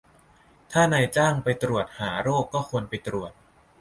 ถ้านายจ้างให้ไปตรวจหาโรคก็ควรไปตรวจ